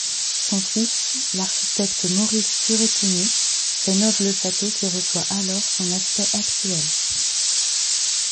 Son fils, l'architecte Maurice Turrettini, rénove le château qui reçoit alors son aspect actuel.